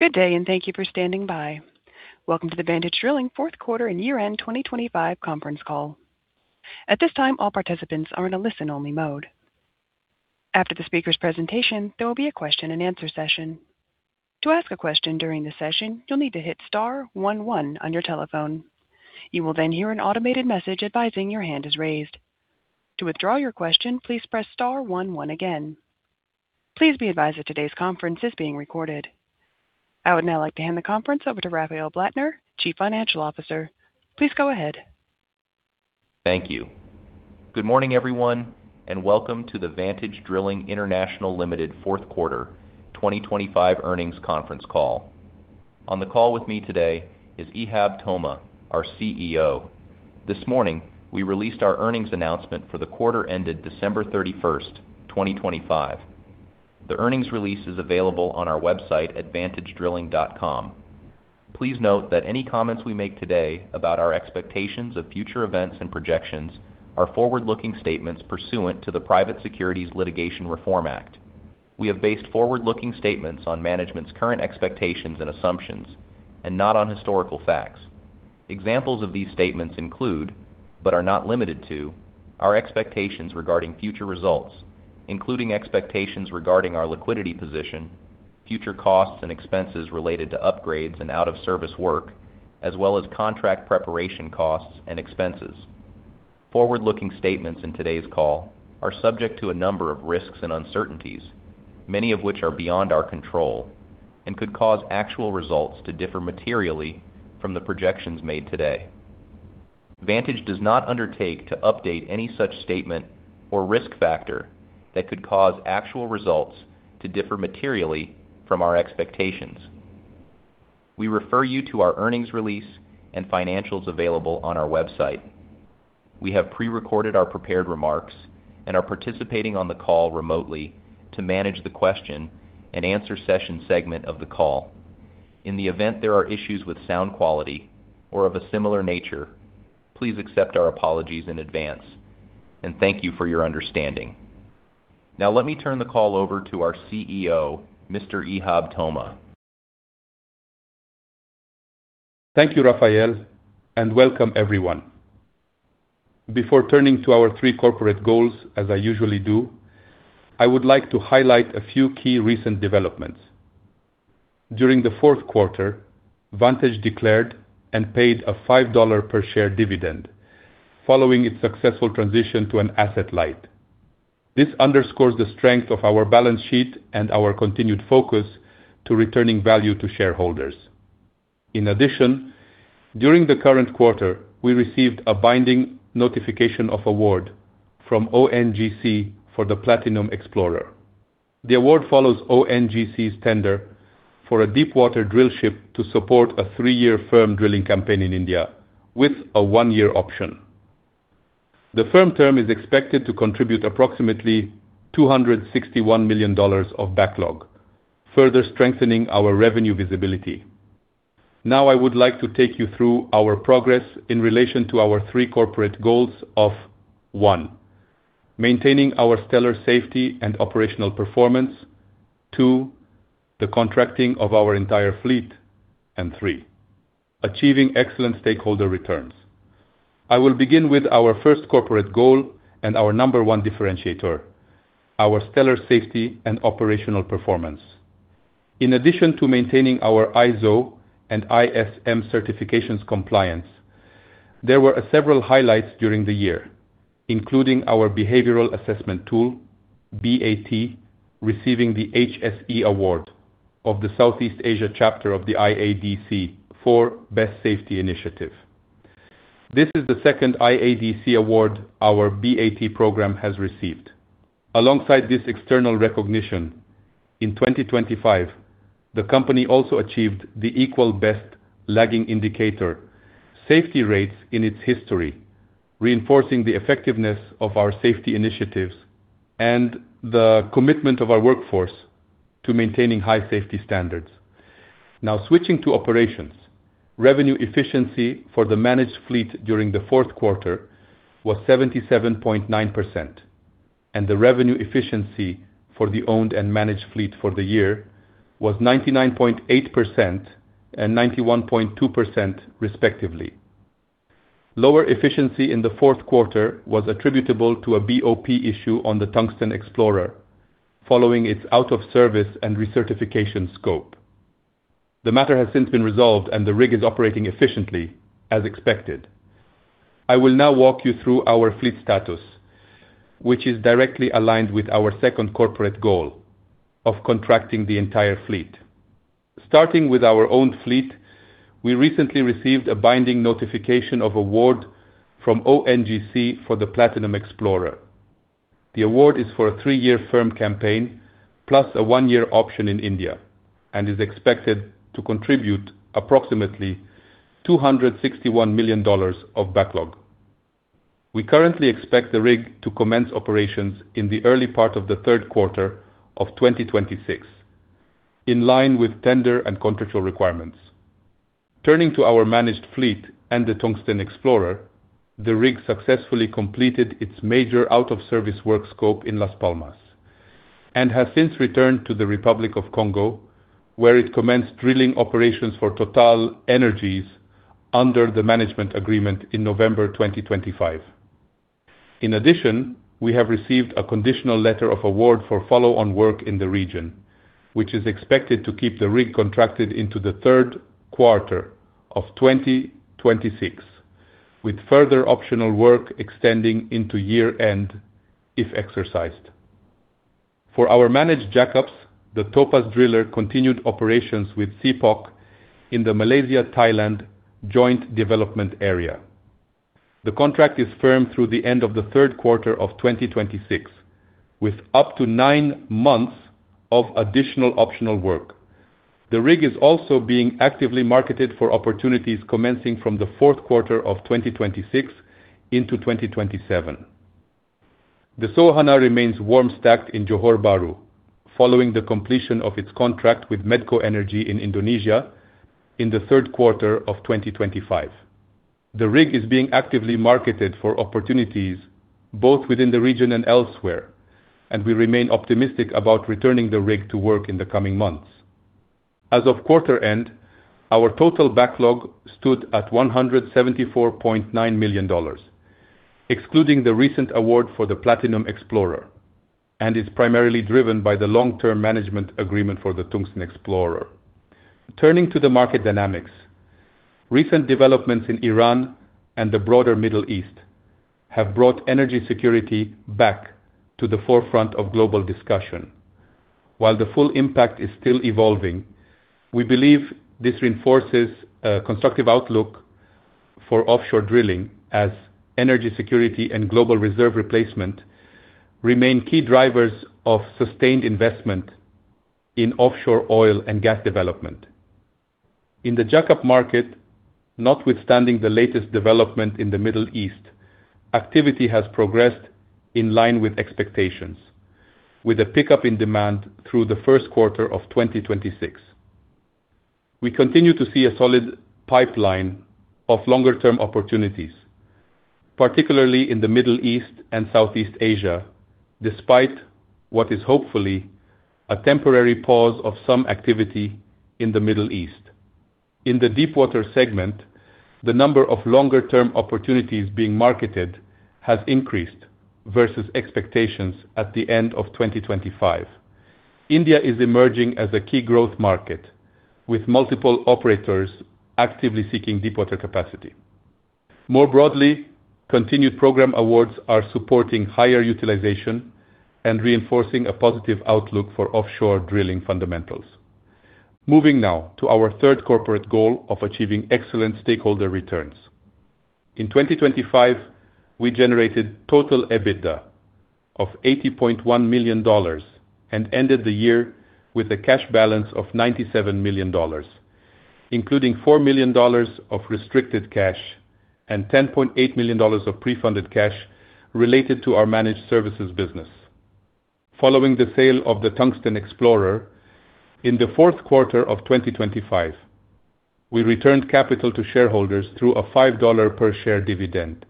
Good day and thank you for standing by. Welcome to the Vantage Drilling Fourth Quarter and Year-End 2025 Conference Call. At this time, all participants are in a listen-only mode. After the speaker's presentation, there will be a question-and-answer session. To ask a question during the session, you'll need to hit star one one on your telephone. You will then hear an automated message advising your hand is raised. To withdraw your question, please press star one one again. Please be advised that today's conference is being recorded. I would now like to hand the conference over to Rafael Blattner, Chief Financial Officer. Please go ahead. Thank you. Good morning, everyone, and welcome to the Vantage Drilling International Ltd. Fourth Quarter 2025 Earnings Conference Call. On the call with me today is Ihab Toma, our CEO. This morning, we released our earnings announcement for the quarter ended December 31st, 2025. The earnings release is available on our website at vantage drilling.com. Please note that any comments we make today about our expectations of future events and projections are forward-looking statements pursuant to the Private Securities Litigation Reform Act. We have based forward-looking statements on management's current expectations and assumptions and not on historical facts. Examples of these statements include, but are not limited to, our expectations regarding future results, including expectations regarding our liquidity position, future costs and expenses related to upgrades and out of service work, as well as contract preparation costs and expenses. Forward-looking statements in today's call are subject to a number of risks and uncertainties, many of which are beyond our control and could cause actual results to differ materially from the projections made today. Vantage does not undertake to update any such statement or risk factor that could cause actual results to differ materially from our expectations. We refer you to our earnings release and financials available on our website. We have pre-recorded our prepared remarks and are participating on the call remotely to manage the question and answer session segment of the call. In the event there are issues with sound quality or of a similar nature, please accept our apologies in advance and thank you for your understanding. Now let me turn the call over to our CEO, Mr. Ihab Toma. Thank you, Rafael, and welcome everyone. Before turning to our three corporate goals, as I usually do, I would like to highlight a few key recent developments. During the fourth quarter, Vantage declared and paid a $5 per share dividend following its successful transition to an asset-light. This underscores the strength of our balance sheet and our continued focus to returning value to shareholders. In addition, during the current quarter, we received a binding notification of award from ONGC for the Platinum Explorer. The award follows ONGC's tender for a deep-water drillship to support a three-year firm drilling campaign in India with a one-year option. The firm term is expected to contribute approximately $261 million of backlog, further strengthening our revenue visibility. Now, I would like to take you through our progress in relation to our three corporate goals of, one, maintaining our stellar safety and operational performance. Two, the contracting of our entire fleet. Three, achieving excellent stakeholder returns. I will begin with our first corporate goal and our number one differentiator, our stellar safety and operational performance. In addition to maintaining our ISO and ISM certifications compliance, there were several highlights during the year, including our Behavioral Assessment Tool, BAT, receiving the HSE Award of the Southeast Asia chapter of the IADC for Best Safety Initiative. This is the second IADC award our BAT program has received. Alongside this external recognition, in 2025, the company also achieved the equal best lagging indicator safety rates in its history, reinforcing the effectiveness of our safety initiatives and the commitment of our workforce to maintaining high safety standards. Now, switching to operations. Revenue efficiency for the managed fleet during the fourth quarter was 77.9%, and the revenue efficiency for the owned and managed fleet for the year was 99.8% and 91.2%, respectively. Lower efficiency in the fourth quarter was attributable to a BOP issue on the Tungsten Explorer following its out of service and recertification scope. The matter has since been resolved and the rig is operating efficiently as expected. I will now walk you through our fleet status, which is directly aligned with our second corporate goal of contracting the entire fleet. Starting with our own fleet, we recently received a binding notification of award from ONGC for the Platinum Explorer. The award is for a three-year firm campaign plus a one-year option in India and is expected to contribute approximately $261 million of backlog. We currently expect the rig to commence operations in the early part of the third quarter of 2026, in line with tender and contractual requirements. Turning to our managed fleet and the Tungsten Explorer, the rig successfully completed its major out-of-service work scope in Las Palmas and has since returned to the Republic of Congo, where it commenced drilling operations for TotalEnergies under the management agreement in November 2025. In addition, we have received a conditional letter of award for follow-on work in the region, which is expected to keep the rig contracted into the third quarter of 2026, with further optional work extending into year-end if exercised. For our managed jackups, the Topaz Driller continued operations with CPOC in the Malaysia-Thailand joint development area. The contract is firm through the end of the third quarter of 2026, with up to nine months of additional optional work. The rig is also being actively marketed for opportunities commencing from the fourth quarter of 2026 into 2027. The Soehanah remains warm stacked in Johor Bahru following the completion of its contract with MedcoEnergi in Indonesia in the third quarter of 2025. The rig is being actively marketed for opportunities both within the region and elsewhere, and we remain optimistic about returning the rig to work in the coming months. As of quarter end, our total backlog stood at $174.9 million, excluding the recent award for the Platinum Explorer and is primarily driven by the long-term management agreement for the Tungsten Explorer. Turning to the market dynamics, recent developments in Iran and the broader Middle East have brought energy security back to the forefront of global discussion. While the full impact is still evolving, we believe this reinforces a constructive outlook for offshore drilling as energy security and global reserve replacement remain key drivers of sustained investment in offshore oil and gas development. In the jackup market, notwithstanding the latest development in the Middle East, activity has progressed in line with expectations, with a pickup in demand through the first quarter of 2026. We continue to see a solid pipeline of longer-term opportunities, particularly in the Middle East and Southeast Asia, despite what is hopefully a temporary pause of some activity in the Middle East. In the deepwater segment, the number of longer-term opportunities being marketed has increased versus expectations at the end of 2025. India is emerging as a key growth market, with multiple operators actively seeking deepwater capacity. More broadly, continued program awards are supporting higher utilization and reinforcing a positive outlook for offshore drilling fundamentals. Moving now to our third corporate goal of achieving excellent stakeholder returns. In 2025, we generated total EBITDA of $80.1 million and ended the year with a cash balance of $97 million, including $4 million of restricted cash and $10.8 million of pre-funded cash related to our managed services business. Following the sale of the Tungsten Explorer in the fourth quarter of 2025, we returned capital to shareholders through a $5-per-share dividend,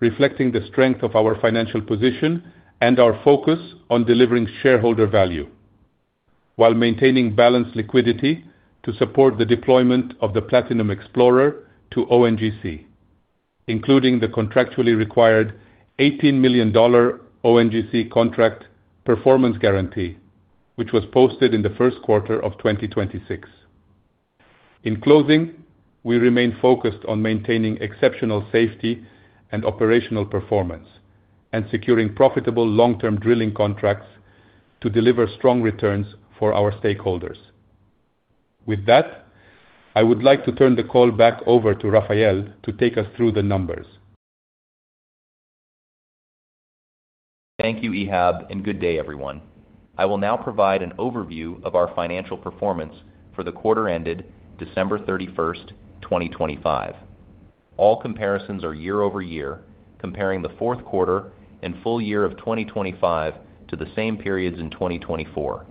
reflecting the strength of our financial position and our focus on delivering shareholder value while maintaining balanced liquidity to support the deployment of the Platinum Explorer to ONGC, including the contractually required $18 million ONGC contract performance guarantee, which was posted in the first quarter of 2026. In closing, we remain focused on maintaining exceptional safety and operational performance and securing profitable long-term drilling contracts to deliver strong returns for our stakeholders. With that, I would like to turn the call back over to Rafael to take us through the numbers. Thank you, Ihab, and good day, everyone. I will now provide an overview of our financial performance for the quarter ended December 31st, 2025. All comparisons are year-over-year, comparing the fourth quarter and full year of 2025 to the same periods in 2024.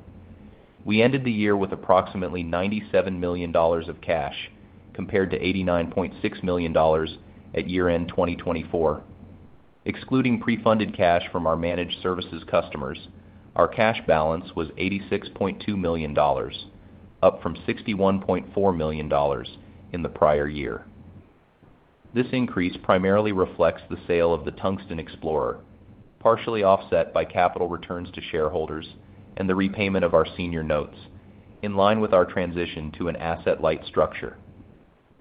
We ended the year with approximately $97 million of cash, compared to $89.6 million at year-end 2024. Excluding pre-funded cash from our managed services customers, our cash balance was $86.2 million, up from $61.4 million in the prior year. This increase primarily reflects the sale of the Tungsten Explorer, partially offset by capital returns to shareholders and the repayment of our senior notes in line with our transition to an asset-light structure.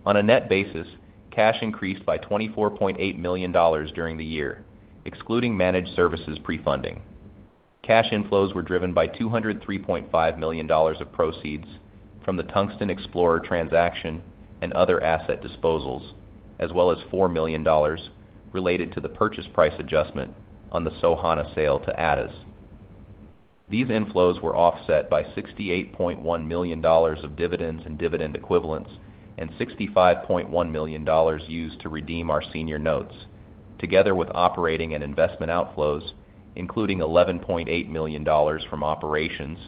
On a net basis, cash increased by $24.8 million during the year, excluding managed services pre-funding. Cash inflows were driven by $203.5 million of proceeds from the Tungsten Explorer transaction and other asset disposals, as well as $4 million related to the purchase price adjustment on the Soehanah sale to ADES. These inflows were offset by $68.1 million of dividends and dividend equivalents and $65.1 million used to redeem our senior notes. Together with operating and investment outflows, including $11.8 million from operations,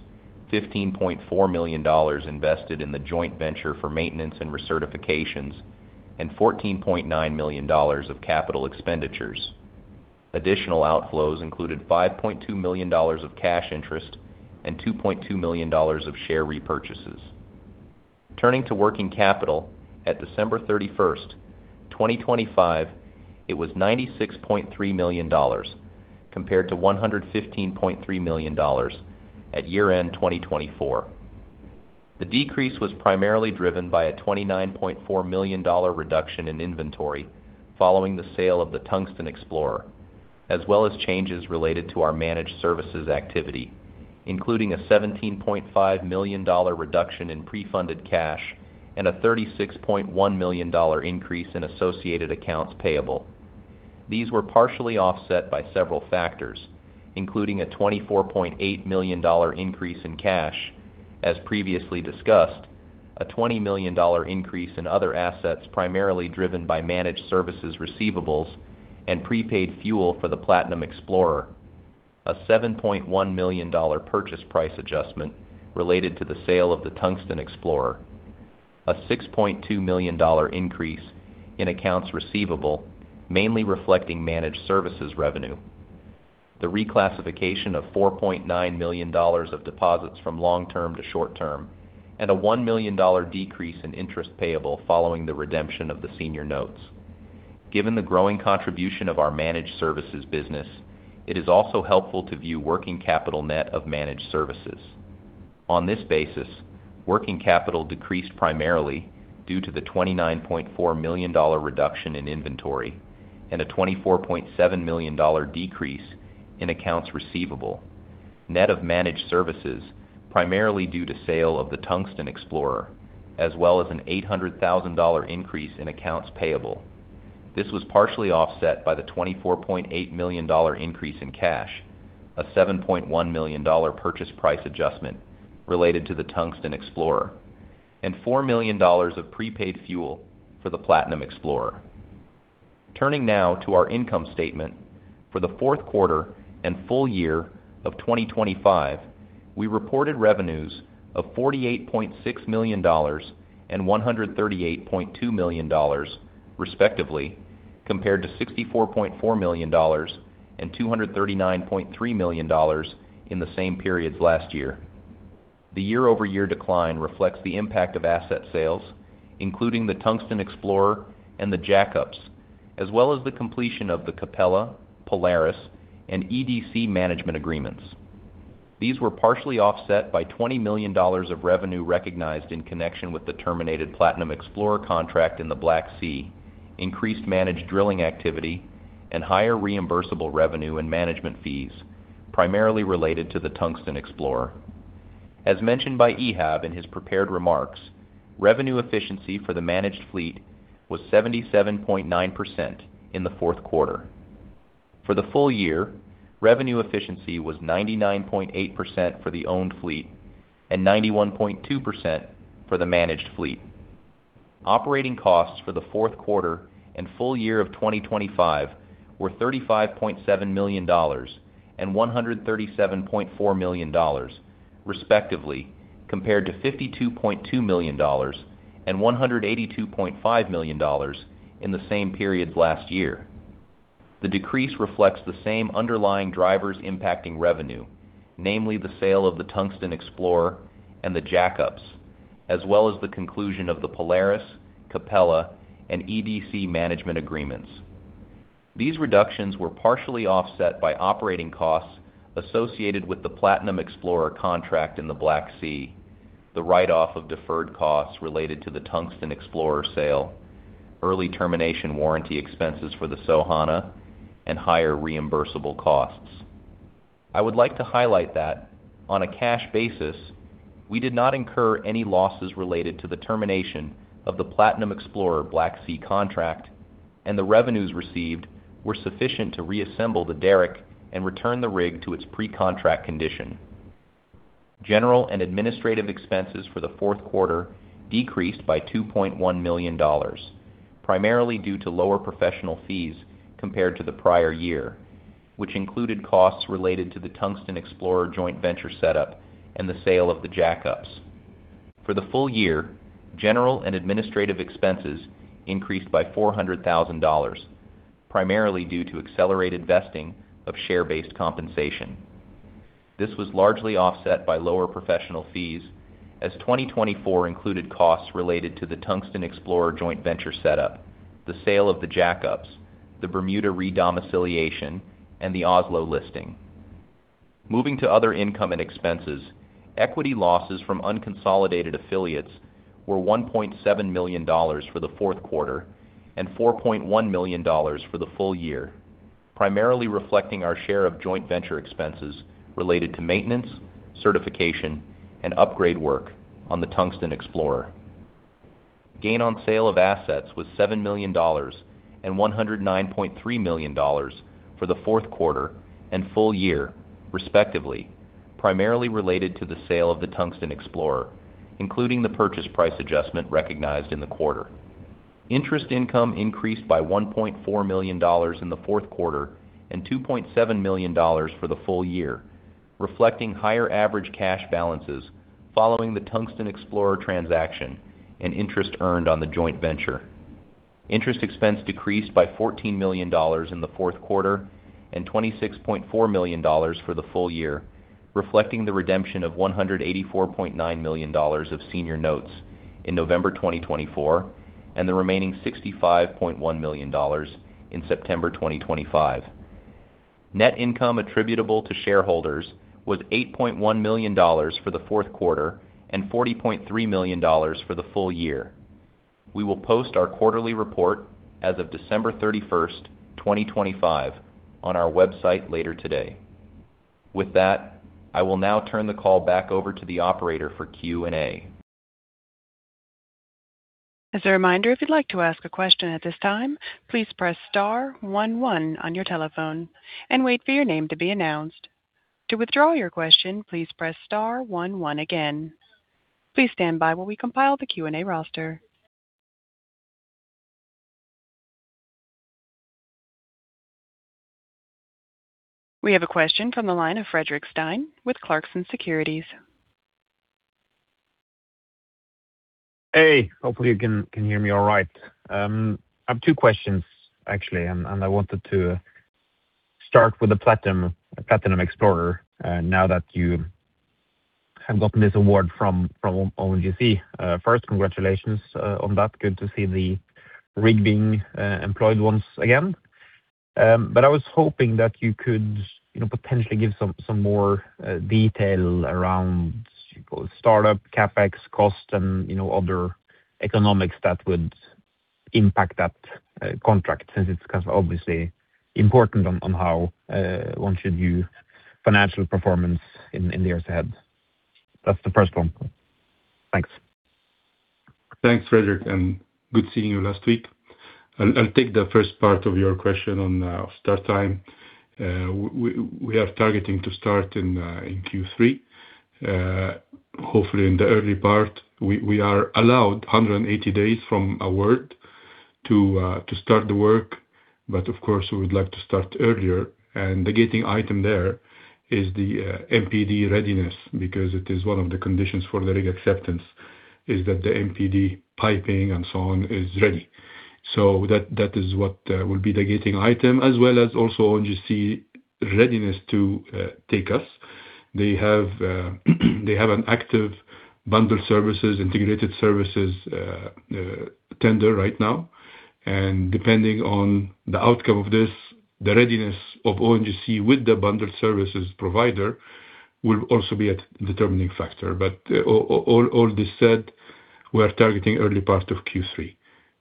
$15.4 million invested in the joint venture for maintenance and recertifications, and $14.9 million of capital expenditures. Additional outflows included $5.2 million of cash interest and $2.2 million of share repurchases. Turning to working capital at December 31st, 2025, it was $96.3 million compared to $115.3 million at year end 2024. The decrease was primarily driven by a $29.4 million reduction in inventory following the sale of the Tungsten Explorer, as well as changes related to our managed services activity, including a $17.5 million reduction in pre-funded cash and a $36.1 million increase in associated accounts payable. These were partially offset by several factors, including a $24.8 million increase in cash, as previously discussed, a $20 million increase in other assets primarily driven by managed services receivables and prepaid fuel for the Platinum Explorer. A $7.1 million purchase price adjustment related to the sale of the Tungsten Explorer. A $6.2 million increase in accounts receivable, mainly reflecting managed services revenue. The reclassification of $4.9 million of deposits from long-term to short-term and a $1 million decrease in interest payable following the redemption of the senior notes. Given the growing contribution of our managed services business, it is also helpful to view working capital net of managed services. On this basis, working capital decreased primarily due to the $29.4 million reduction in inventory and a $24.7 million decrease in accounts receivable, net of managed services, primarily due to sale of the Tungsten Explorer, as well as an $800,000 increase in accounts payable. This was partially offset by the $24.8 million increase in cash, a $7.1 million purchase price adjustment related to the Tungsten Explorer and $4 million of prepaid fuel for the Platinum Explorer. Turning now to our income statement for the fourth quarter and full year of 2025, we reported revenues of $48.6 million and $138.2 million respectively, compared to $64.4 million and $239.3 million in the same periods last year. The year-over-year decline reflects the impact of asset sales, including the Tungsten Explorer and the jackups, as well as the completion of the Capella, Polaris and EDC management agreements. These were partially offset by $20 million of revenue recognized in connection with the terminated Platinum Explorer contract in the Black Sea, increased managed drilling activity and higher reimbursable revenue and management fees, primarily related to the Tungsten Explorer. As mentioned by Ihab in his prepared remarks, revenue efficiency for the managed fleet was 77.9% in the fourth quarter. For the full year, revenue efficiency was 99.8% for the owned fleet and 91.2% for the managed fleet. Operating costs for the fourth quarter and full year of 2025 were $35.7 million and $137.4 million respectively, compared to $52.2 million and $182.5 million in the same periods last year. The decrease reflects the same underlying drivers impacting revenue, namely the sale of the Tungsten Explorer and the jackups, as well as the conclusion of the Polaris, Capella and EDC management agreements. These reductions were partially offset by operating costs associated with the Platinum Explorer contract in the Black Sea, the write off of deferred costs related to the Tungsten Explorer sale, early termination warranty expenses for the Soehanah and higher reimbursable costs. I would like to highlight that on a cash basis, we did not incur any losses related to the termination of the Platinum Explorer Black Sea contract, and the revenues received were sufficient to reassemble the derrick and return the rig to its pre-contract condition. General and administrative expenses for the fourth quarter decreased by $2.1 million, primarily due to lower professional fees compared to the prior year, which included costs related to the Tungsten Explorer joint venture setup, and the sale of the jackups. For the full year, general and administrative expenses increased by $400,000, primarily due to accelerated vesting of share-based compensation. This was largely offset by lower professional fees as 2024 included costs related to the Tungsten Explorer joint venture setup, the sale of the jackups, the Bermuda re-domiciliation, and the Oslo listing. Moving to other income and expenses. Equity losses from unconsolidated affiliates were $1.7 million for the fourth quarter and $4.1 million for the full year, primarily reflecting our share of joint venture expenses related to maintenance, certification, and upgrade work on the Tungsten Explorer. Gain on sale of assets was $7 million and $109.3 million for the fourth quarter and full year, respectively. Primarily related to the sale of the Tungsten Explorer, including the purchase price adjustment recognized in the quarter. Interest income increased by $1.4 million in the fourth quarter and $2.7 million for the full year, reflecting higher average cash balances following the Tungsten Explorer transaction and interest earned on the joint venture. Interest expense decreased by $14 million in the fourth quarter and $26.4 million for the full year, reflecting the redemption of $184.9 million of senior notes in November 2024 and the remaining $65.1 million in September 2025. Net income attributable to shareholders was $8.1 million for the fourth quarter and $43.3 million for the full year. We will post our quarterly report as of December 31st, 2025 on our website later today. With that, I will now turn the call back over to the operator for Q&A. As a reminder, if you'd like to ask a question at this time, please press star one one on your telephone and wait for your name to be announced. To withdraw your question, please press star one one again. Please stand by while we compile the Q&A roster. We have a question from the line of Fredrik Stene with Clarksons Securities. Hey, hopefully you can hear me all right. I have two questions, actually, and I wanted to start with the Platinum Explorer. Now that you have gotten this award from ONGC. First, congratulations on that. Good to see the rig being employed once again. But I was hoping that you could, you know, potentially give some more detail around startup CapEx cost and, you know, other economics that would impact that contract, since it's kind of obviously important to how one should view financial performance in the years ahead. That's the first one. Thanks. Thanks, Fredrik, and good seeing you last week. I'll take the first part of your question on start time. We are targeting to start in Q3, hopefully in the early part. We are allowed 180 days from award to start the work, but of course we would like to start earlier. The gating item there is the MPD readiness because it is one of the conditions for the rig acceptance, that the MPD piping and so on is ready. That is what will be the gating item as well as ONGC readiness to take us. They have an active bundled services, integrated services, tender right now, and depending on the outcome of this, the readiness of ONGC with the bundled services provider will also be a determining factor. All this said, we are targeting early part of Q3.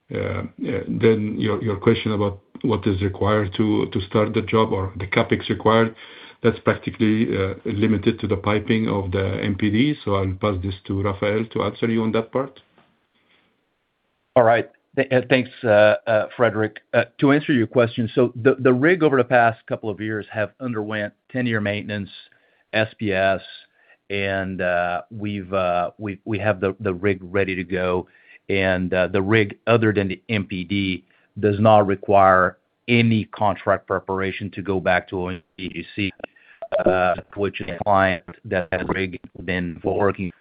Your question about what is required to start the job or the CapEx required, that's practically limited to the piping of the MPD. I'll pass this to Rafael to answer you on that part. All right. Thanks, Fredrik. To answer your question, the rig over the past couple of years have underwent ten-year maintenance, SPS, and we've we have the rig ready to go. The rig, other than the MPD, does not require any contract preparation to go back to ONGC, which is a client that the rig been working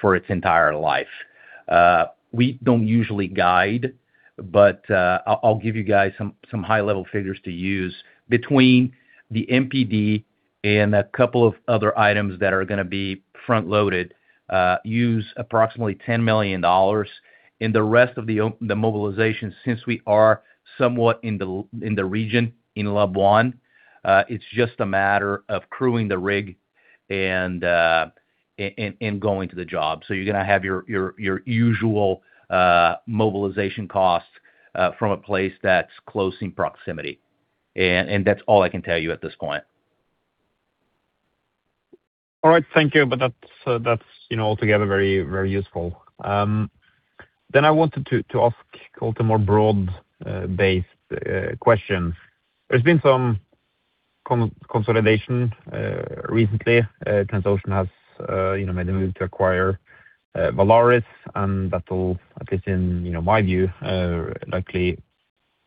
for its entire life. We don't usually guide, but I'll give you guys some high-level figures to use. Between the MPD and a couple of other items that are gonna be front-loaded, use approximately $10 million. In the rest of the mobilization, since we are somewhat in the region in Labuan, it's just a matter of crewing the rig and going to the job. You're gonna have your usual mobilization costs from a place that's close in proximity. That's all I can tell you at this point. All right. Thank you. That's, you know, altogether very useful. I wanted to ask also a more broad-based question. There's been some consolidation recently. Transocean has, you know, made a move to acquire Valaris, and that will, at least in, you know, my view, likely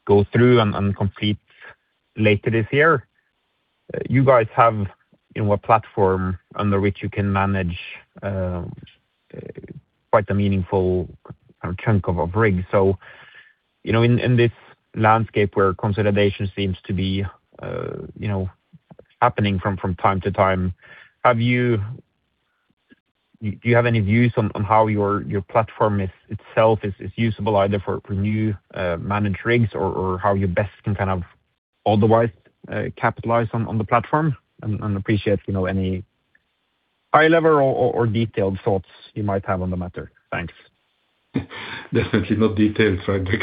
go through and complete later this year. You guys have, you know, a platform under which you can manage quite a meaningful chunk of a rig. You know, in this landscape where consolidation seems to be, you know, happening from time to time, have you do you have any views on how your platform itself is usable either for new managed rigs or how you best can kind of otherwise capitalize on the platform? I appreciate, you know, any high level or detailed thoughts you might have on the matter. Thanks. Definitely not detailed, Fredrik.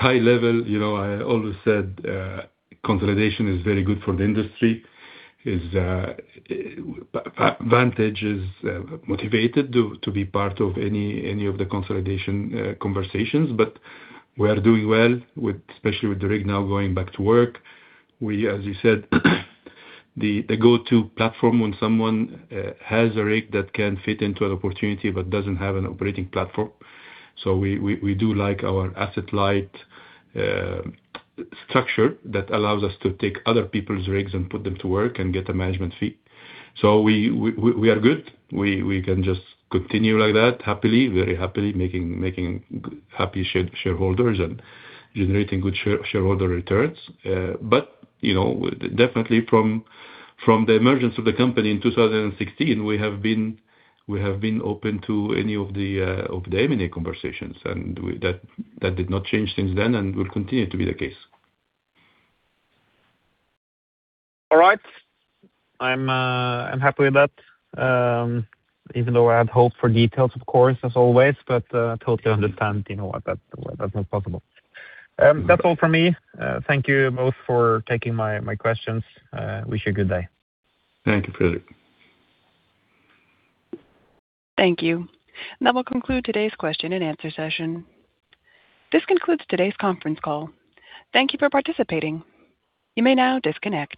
High level, you know, I always said consolidation is very good for the industry. Vantage is motivated to be part of any of the consolidation conversations, but we are doing well, especially with the rig now going back to work. We, as you said, the go-to platform when someone has a rig that can fit into an opportunity but doesn't have an operating platform. So we do like our asset-light structure that allows us to take other people's rigs and put them to work and get a management fee. So we are good. We can just continue like that happily, very happily, making happy shareholders and generating good shareholder returns. You know, definitely from the emergence of the company in 2016, we have been open to any of the M&A conversations, and that did not change since then and will continue to be the case. All right. I'm happy with that. Even though I had hoped for details, of course, as always, but totally understand, you know, what that, why that's not possible. That's all for me. Thank you both for taking my questions. Wish you a good day. Thank you, Fredrik. Thank you. That will conclude today's question and answer session. This concludes today's conference call. Thank you for participating. You may now disconnect.